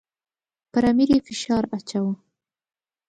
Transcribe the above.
پر امیر یې فشار اچاوه.